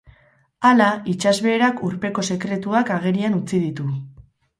Hala, itsasbeherak urpeko sekretuak agerian utzi ditu.